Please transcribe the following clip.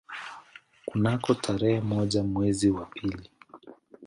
Kunako tarehe moja mwezi wa pili